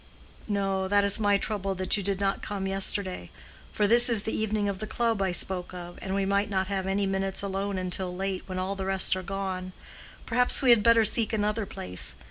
"No, that is my trouble that you did not come yesterday. For this is the evening of the club I spoke of, and we might not have any minutes alone until late, when all the rest are gone. Perhaps we had better seek another place.